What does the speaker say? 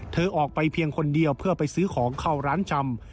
เธอออกไปเพียงคนเดียวเพื่อไปซื้อของเข้าร้านจำ